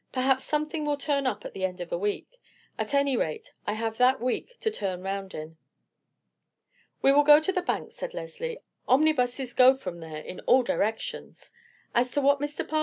Perhaps something will turn up at the end of a week. At any rate, I have that week to turn round in." "We will go to the Bank," said Leslie; "omnibuses go from there in all directions.